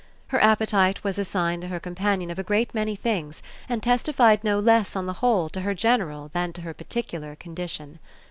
Her appetite was a sign to her companion of a great many things and testified no less on the whole to her general than to her particular condition.